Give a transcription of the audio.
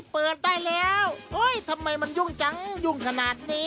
เปิดได้แล้วทำไมมันยุ่งจังยุ่งขนาดนี้